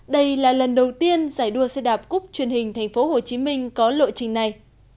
đây là lần đầu tiên giải đua xe đạp cúc truyền hình tp hcm có lộ trình này